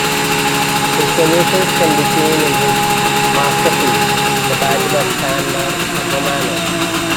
His solutions can be seen in his masterpiece, the Battle of San Romano.